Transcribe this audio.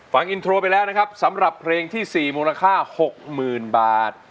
ฟังอินโทรไปแล้วนะครับสำหรับเพลงที่๔มูลค่า๖๐๐๐บาท